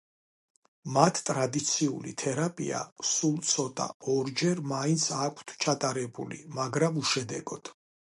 მათ ტრადიციული თერაპია, სულ ცოტა, ორჯერ მაინც აქვთ ჩატარებული, მაგრამ – უშედეგოდ.